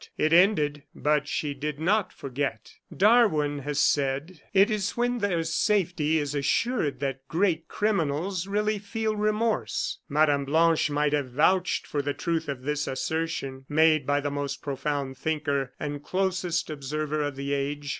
It ended, but she did not forget. Darwin has said: "It is when their safety is assured that great criminals really feel remorse." Mme. Blanche might have vouched for the truth of this assertion, made by the most profound thinker and closest observer of the age.